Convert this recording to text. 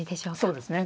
そうですね。